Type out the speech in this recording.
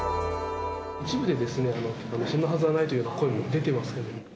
一部で、そんなはずはないという声も出てますけれども。